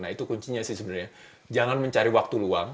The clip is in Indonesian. nah itu kuncinya sih sebenarnya jangan mencari waktu luang